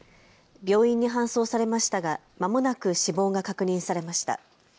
病院に搬送されましたがまもなく死亡が確認されました。